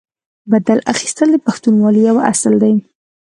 بدل اخیستل د پښتونولۍ یو اصل دی.